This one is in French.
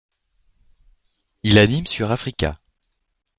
Il anime sur Africa.